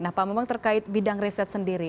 nah pak bambang terkait bidang riset sendiri